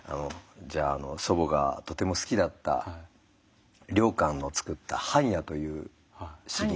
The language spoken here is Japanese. じゃあ祖母がとても好きだった良寛の作った「半夜」という詩吟が。